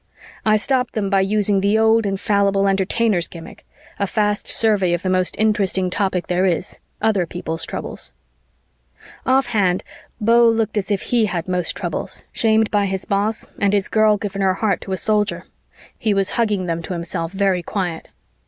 I stopped them by using the old infallible Entertainers' gimmick, a fast survey of the most interesting topic there is other people's troubles. Offhand, Beau looked as if he had most troubles, shamed by his boss and his girl given her heart to a Soldier; he was hugging them to himself very quiet.